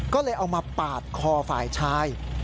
ก็เลยเอามาปาดคอฝ่ายชาย